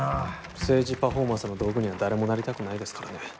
政治パフォーマンスの道具には誰もなりたくないですからね